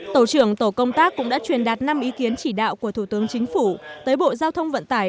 tổ trưởng tổ công tác cũng đã truyền đạt năm ý kiến chỉ đạo của thủ tướng chính phủ tới bộ giao thông vận tải